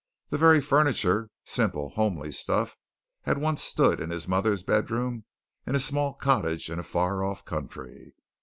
The very furniture, simple, homely stuff, had once stood in his mother's bedroom in a small cottage in a far off country.